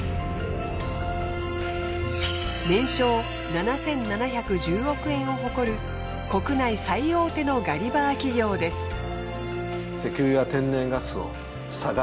年商７，７１０億円を誇る国内最大手のガリバー企業です。